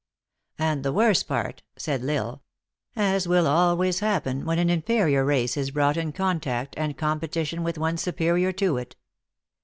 " And the worst part," said L Tsle ;" as will always happen when an inferior race is brought in contact and competition with one superior to it.